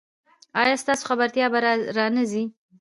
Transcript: ایا ستاسو خبرتیا به را نه ځي؟